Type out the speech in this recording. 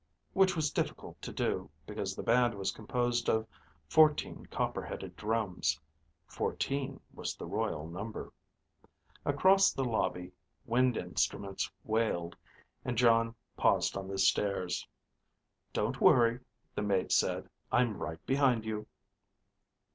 Which was difficult to do, because the band was composed of fourteen copper headed drums. (Fourteen was the royal number.) Across the lobby wind instruments wailed, and Jon paused on the stairs. "Don't worry," the maid said, "I'm right behind you."